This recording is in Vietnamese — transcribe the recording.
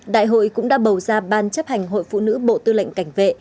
đại hội cũng đã bầu ra ban chấp hành hội phụ nữ bộ tư lệnh cảnh vệ